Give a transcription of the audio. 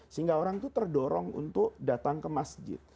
sehingga orang itu terdorong untuk datang ke masjid